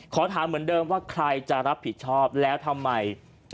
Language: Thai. ขอถามเหมือนเดิมว่าใครจะรับผิดชอบแล้วทำไม